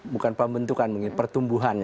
bukan pembentukan pertumbuhannya